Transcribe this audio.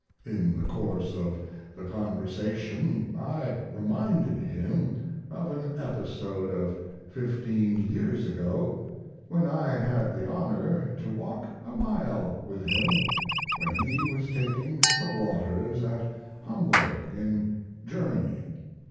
In the course of the conversation I reminded him of an episode of fifteen years ago, when I had the honor to walk a mile with him when he was taking the waters at Homburg, in Germany.